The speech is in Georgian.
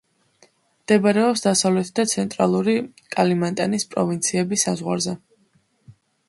მდებარეობს დასავლეთ და ცენტრალური კალიმანტანის პროვინციების საზღვარზე.